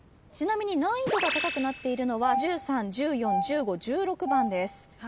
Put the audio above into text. ちなみに難易度が高くなっているのは１３１４１５１６番です。